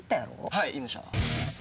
はい言いました。